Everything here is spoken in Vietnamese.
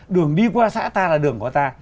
đường đi qua xã ta là đường của ta